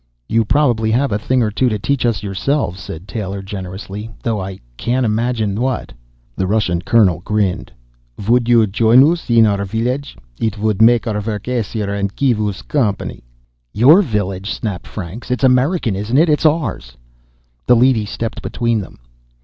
"You probably have a thing or two to teach us yourselves," said Taylor generously, "though I can't imagine what." The Russian colonel grinned. "Would you join us in our village? It would make our work easier and give us company." "Your village?" snapped Franks. "It's American, isn't it? It's ours!" The leady stepped between them.